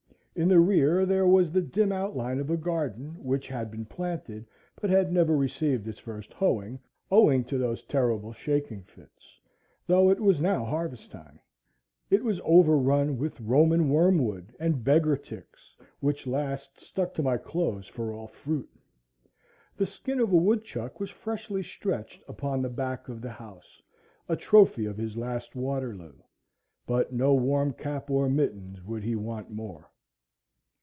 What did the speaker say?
In the rear there was the dim outline of a garden, which had been planted but had never received its first hoeing, owing to those terrible shaking fits, though it was now harvest time. It was over run with Roman wormwood and beggar ticks, which last stuck to my clothes for all fruit. The skin of a woodchuck was freshly stretched upon the back of the house, a trophy of his last Waterloo; but no warm cap or mittens would he want more.